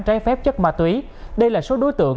trái phép chất ma túy đây là số đối tượng